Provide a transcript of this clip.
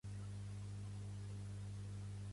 Quan passa l'autobús pel carrer Jaén?